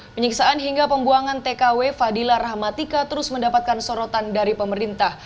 penyiksaan hingga pembuangan tkw fadila rahmatika terus mendapatkan sorotan dari pemerintah